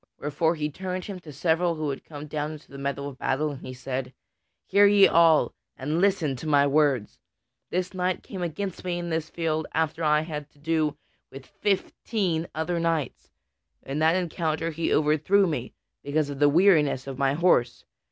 Wherefore he turned him to several who had come down into the meadow of battle, and he said: "Hear ye all, and listen to my words: This knight came against me in this field after I had had to do with fifteen other knights. In that encounter he overthrew me, because of the weariness of my horse.